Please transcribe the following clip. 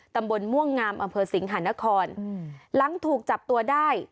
ตำบลม่วงงามอำเภอสิงหานครหลังถูกจับตัวได้